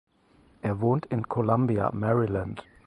Er wohnt in Columbia (Maryland).